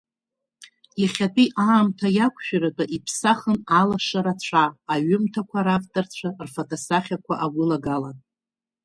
Иахьатәи аамҭа иақәшәаратәы иԥсахын Алашара ацәа, аҩымҭақәа равторцәа фтосахьақәа агәылагалан.